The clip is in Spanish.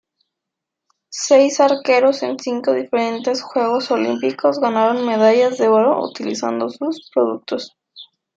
Seis arqueros en cinco diferentes juegos olímpicos ganaron medallas de oro utilizando sus productos.